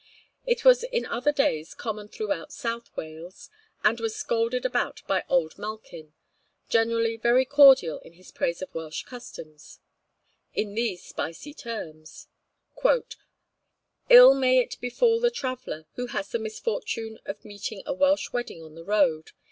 It was in other days common throughout South Wales, and was scolded about by old Malkin (generally very cordial in his praise of Welsh customs) in these spicy terms: 'Ill may it befal the traveller, who has the misfortune of meeting a Welsh wedding on the road.